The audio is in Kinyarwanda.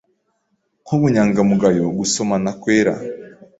nkubunyangamugayo gusomana kwera